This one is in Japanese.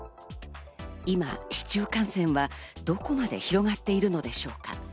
今、市中感染はどこまで広がっているのでしょうか。